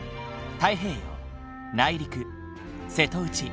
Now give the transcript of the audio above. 太平洋内陸瀬戸内